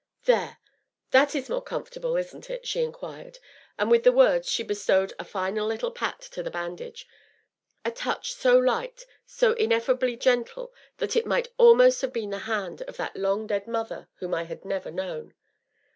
"There that is more comfortable, isn't it?" she inquired, and with the words she bestowed a final little pat to the bandage, a touch so light so ineffably gentle that it might almost have been the hand of that long dead mother whom I had never known.